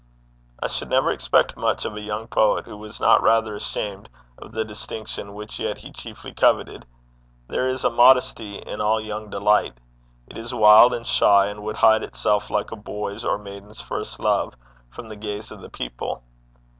I should never expect much of a young poet who was not rather ashamed of the distinction which yet he chiefly coveted. There is a modesty in all young delight. It is wild and shy, and would hide itself, like a boy's or maiden's first love, from the gaze of the people.